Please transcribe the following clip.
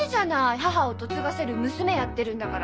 母を嫁がせる娘やってるんだから。